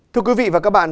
thưa quý vị và các bạn